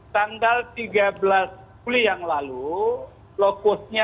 tanggal tiga belas juli yang lalu lokusnya